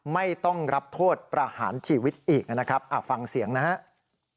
ไม่ต้องรับโทษประหารชีวิตอีกนะครับฟังเสียงนะครับ